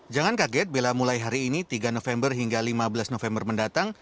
jangan kaget bila mulai hari ini tiga november hingga lima belas november mendatang